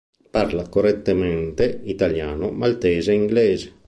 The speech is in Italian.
Parla correntemente italiano, maltese e inglese.